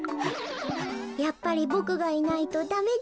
「やっぱりボクがいないとダメだよね」